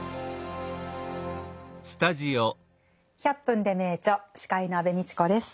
「１００分ｄｅ名著」司会の安部みちこです。